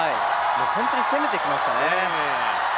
ホントに攻めてきましたね。